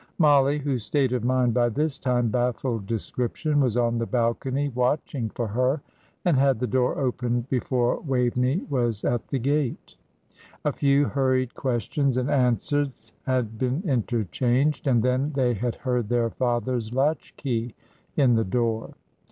Mollie, whose state of mind by this time baffled description, was on the balcony watching for her, and had the door opened before Waveney was at the gate; a few hurried questions and answers had been interchanged, and then they had heard their father's latch key in the door.